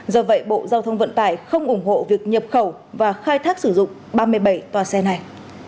do vậy bộ giao thông vận tải không ủng hộ việc nhập khẩu và khai thác sử dụng ba mươi bảy tòa xe này